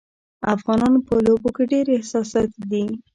افغانان په لوبو کې ډېر احساساتي دي.